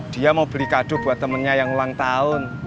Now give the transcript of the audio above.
dia mau beli kado buat temennya yang ulang tahun